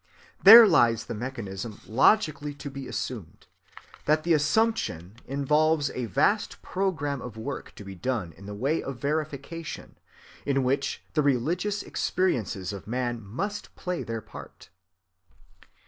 There lies the mechanism logically to be assumed,—but the assumption involves a vast program of work to be done in the way of verification, in which the religious experiences of man must play their part.